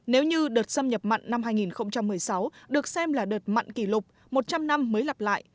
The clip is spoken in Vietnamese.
nếu như đợt xâm nhập mặn năm hai nghìn một mươi sáu được xem là đợt mặn kỷ lục một trăm linh năm mới lặp lại